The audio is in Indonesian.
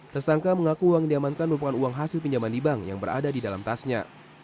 tersangka mengaku uang yang diamankan merupakan uang hasil pinjaman di bank yang berada di dalam tasnya